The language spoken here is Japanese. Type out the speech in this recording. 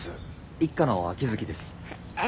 一課の秋月です。